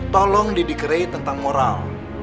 tolong didik rey tentang moral